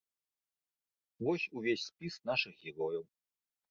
Вось увесь спіс нашых герояў.